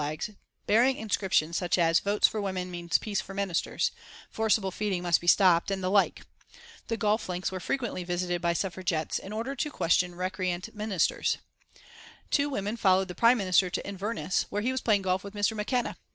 U. flags hearing inscriptions such as "Votes for Women means peace for Ministers," "Forcible feeding must be stopped," and the like. The golf links were frequently visited by Suffragettes in order to question recreant ministers. Two women followed the Prime Minister to Inverness, where he was playing golf with Mr. McKenna.